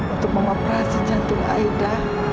untuk mengoperasi jantung aida